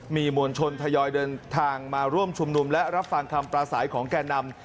มีมวลชนทยอยเดินทางมาร่วมชุมนุมและรับฟังคำปราศัยของแก่นำ